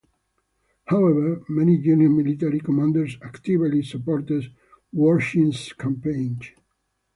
However many junior military commanders actively supported Woyrsch's campaign.